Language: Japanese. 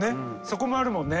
そこもあるもんね。